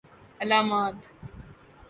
علامات